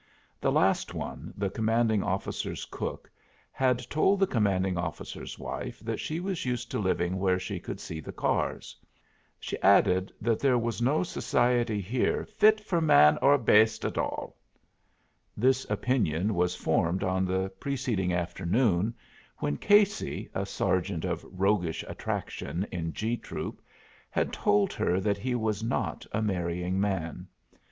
The last one, the commanding officer's cook, had told the commanding officer's wife that she was used to living where she could see the cars. She added that there was no society here "fit for man or baste at all." This opinion was formed on the preceding afternoon when Casey, a sergeant of roguish attractions in G troop, had told her that he was not a marrying man.